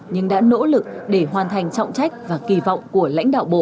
nhưng đã nỗ lực để hoàn thành trọng trách và kỳ vọng của lãnh đạo bộ